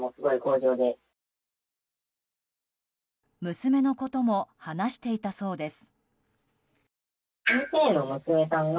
娘のことも話していたそうです。